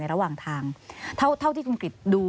ระหว่างทางเท่าที่คุณกริจดู